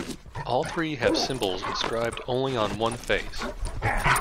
All three have symbols inscribed only on one face.